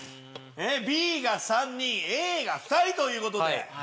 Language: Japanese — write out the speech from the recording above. Ｂが３人Ａが２人ということで。